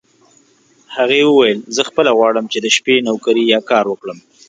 هغې وویل: زه خپله غواړم چې د شپې نوکري یا کار وکړم.